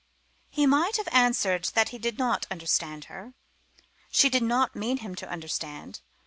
He might have answered that he did not understand her. She did not mean him to understand.